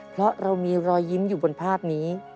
เพราะเรามีรอยยิ้มอยู่บนภาพนี้